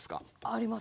あります。